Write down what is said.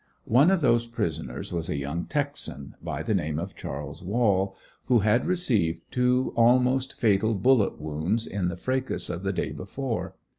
One of those prisoners was a young Texan by the name of Chas. Wall, who had received two almost fatal bullet wounds in the fracas of the day before.